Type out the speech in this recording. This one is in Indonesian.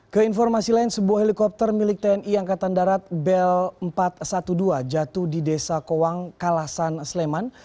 keinformasi lain sebuah helikopter milik tni angkatan darat bel empat ratus dua belas jatuh di desa kowang kalasan sleman